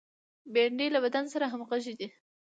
بېنډۍ له بدن سره همغږې ده